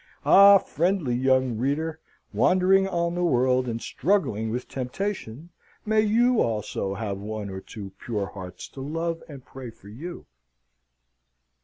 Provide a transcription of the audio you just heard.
Ah, friendly young reader, wandering on the world and struggling with temptation, may you also have one or two pure hearts to love and pray for you!